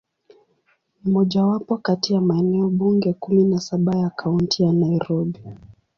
Ni mojawapo kati ya maeneo bunge kumi na saba ya Kaunti ya Nairobi.